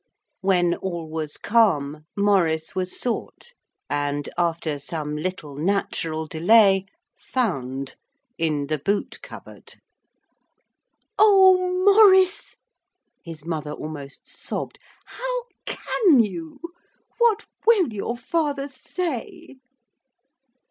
When all was calm Maurice was sought and, after some little natural delay, found in the boot cupboard. 'Oh, Maurice!' his mother almost sobbed, 'how can you? What will your father say?'